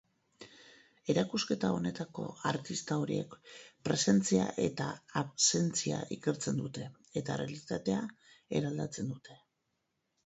Erakusketa honetako artista horiek presentzia eta absentzia ikertzen dute eta errealitatea eraldatzen dute.